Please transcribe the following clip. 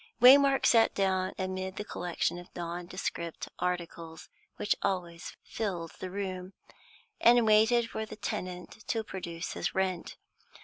Waymark sat down amid the collection of nondescript articles which always filled the room, and waited for the tenant to produce his rent.